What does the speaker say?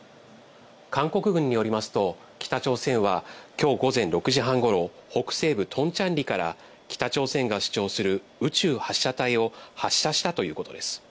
韓国軍によりますと、北朝鮮はきょう午前６時半ごろ、北西部トンチャンリから、北朝鮮が主張する宇宙発射体を発射したということです。